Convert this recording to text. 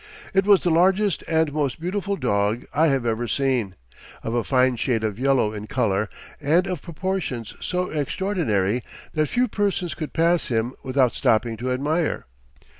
It was the largest and most beautiful dog I have ever seen, of a fine shade of yellow in color, and of proportions so extraordinary that few persons could pass him without stopping to admire.